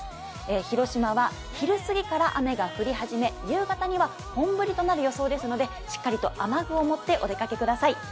広島は昼過ぎから雨が降り始め夕方には本降りとなる予想ですので、しっかりと雨具を持ってお出かけください。